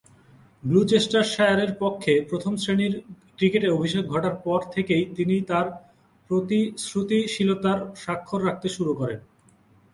গ্লুচেস্টারশায়ারের পক্ষে প্রথম-শ্রেণীর ক্রিকেটে অভিষেক ঘটার পর থেকেই তিনি তার প্রতিশ্রুতিশীলতার স্বাক্ষর রাখতে শুরু করেন।